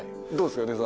どうですか？